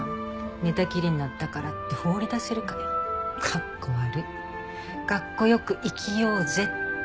「寝たきりになったからって放り出せるかよカッコ悪い」「カッコよく生きようぜ」って。